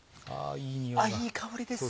いい香りですね！